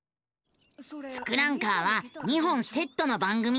「ツクランカー」は２本セットの番組。